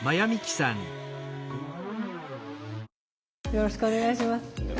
よろしくお願いします。